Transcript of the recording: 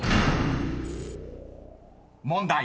［問題］